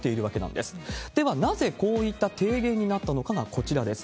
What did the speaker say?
では、なぜこういった提言になったのかがこちらです。